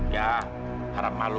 ya harap malu